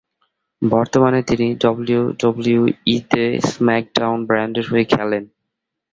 বর্তমানে তিনি ডব্লিউডব্লিউই-তে "স্ম্যাকডাউন" ব্র্যান্ডের হয়ে খেলেন।